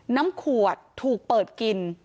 น้ำขวดถูกเปิดกิน